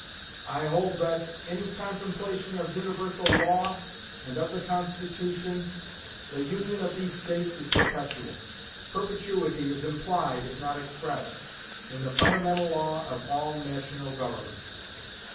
I hold that, in contemplation of universal law, and of the Constitution, the Union of these States is perpetual. Perpetuity is implied, if not expressed, in the fundamental law of all National Governments.